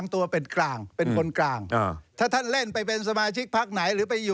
นี่นี่นี่นี่นี่นี่นี่นี่นี่นี่